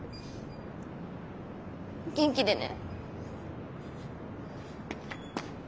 元気でね。